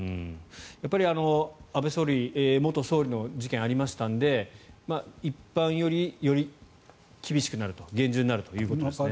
やっぱり安倍元総理の事件がありましたので一般より厳しくなる厳重になるということですね。